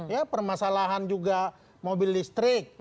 ya permasalahan juga mobil listrik